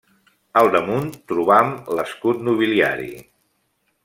Al damunt trobam l'escut nobiliari.